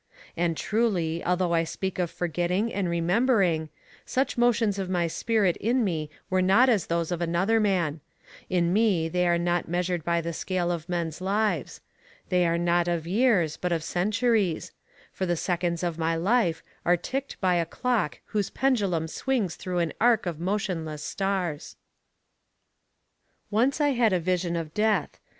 And truly, although I speak of forgetting and remembering, such motions of my spirit in me were not as those of another man; in me they are not measured by the scale of men's lives; they are not of years, but of centuries; for the seconds of my life are ticked by a clock whose pendulum swings through an arc of motionless stars. "'... Once I had a vision of Death.